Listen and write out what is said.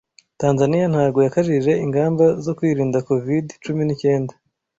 Tanzania ntago yakajije ingamba zo kwirinda covid cumi n'icyenda